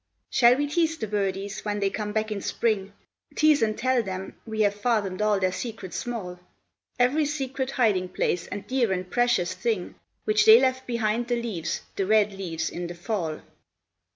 Shall we tease the birdies, when they come back in spring, Tease and tell them we have fathomed all their secrets small, Every secret hiding place and dear and precious, thing, Which they left behind the leaves, the red leaves, in the fall?